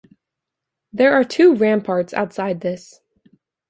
There are two ramparts outside this.